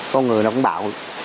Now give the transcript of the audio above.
con người nó cũng bạo